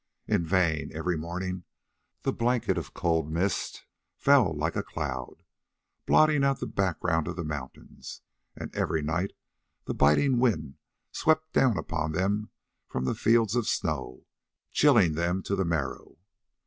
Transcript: In vain; every morning the blanket of cold mist fell like a cloud, blotting out the background of the mountains, and every night the biting wind swept down upon them from the fields of snow, chilling them to the marrow.